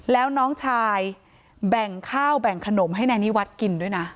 แล้วน้องชายแบ่งข้าวแบ่งขนมให้นายนิวัฒน์กินด้วยนะ